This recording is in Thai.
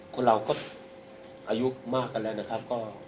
คนเราก็อายุมากกันแล้วนะครับ